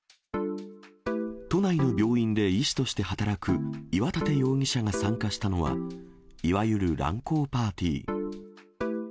都内の病院で医師として働く岩立容疑者が参加したのは、いわゆる乱交パーティー。